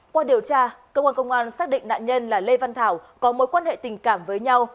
qua điều tra cơ quan công an xác định nạn nhân là lê văn thảo có mối quan hệ tình cảm với nhau